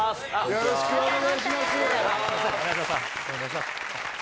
よろしくお願いします